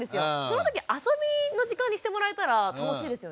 その時遊びの時間にしてもらえたら楽しいですよね。